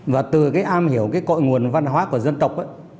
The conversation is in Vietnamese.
và từ cái am hiểu cái cội nguồn văn hóa của dân tộc ấy